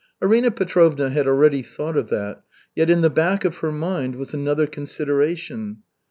Arina Petrovna had already thought of that, yet in the back of her mind was another consideration.